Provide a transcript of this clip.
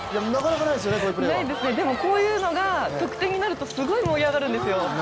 ないですね、でもこういうのが得点になるとすごい盛り上がるんですよ。